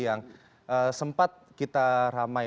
yang sempat kita ramai